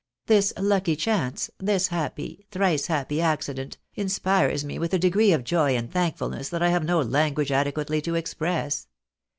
This lucky chance, this happy, thrice happy accident, inspires we with a degree of joy and thankfulness that I have no language adequately to express.